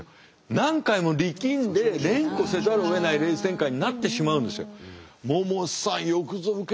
何回も力んで連呼せざるをえないレース展開になってしまうんですよ。